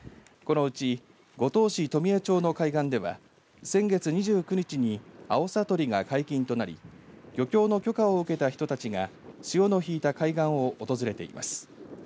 このうち、五島市富江町の海岸では先月２９日にアオサ採りが解禁となり漁協の許可を受けた人たちが潮の引いた海岸を訪れています。